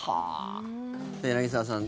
柳澤さん